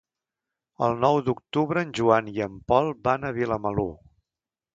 El nou d'octubre en Joan i en Pol van a Vilamalur.